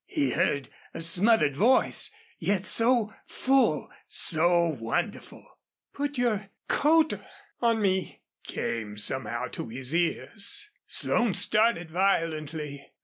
He heard a smothered voice, yet so full, so wonderful! "Put your coat on me!" came somehow to his ears. Slone started violently.